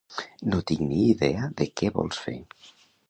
No tinc ni idea de què vols fer.